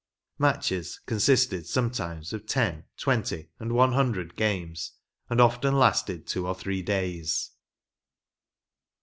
Matches consisted sometimes of ten, twenty and one hundred games, and often lasted two or three days.